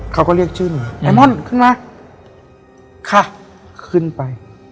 เขาก็เรียกชื่อเลยไอม่อนขึ้นมาค่ะขึ้นไป